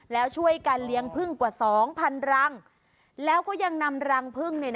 แล้วช่วยการเลี้ยงพึ่งกว่า๒๐๐๐รังแล้วก็ยังนำรังพึ่ง